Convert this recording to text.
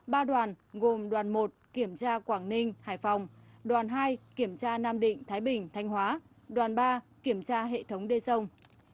ba đoàn gồm đoàn một kiểm tra quảng ninh hải phòng đoàn hai kiểm tra nam định thái bình thanh hóa đoàn ba kiểm tra hệ thống đê sông